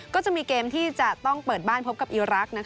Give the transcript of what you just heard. ก็จะมีเกมที่จะต้องเปิดบ้านพบกับอีรักษ์